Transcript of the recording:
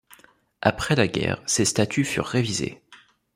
Après la guerre, ses statuts furent révisés.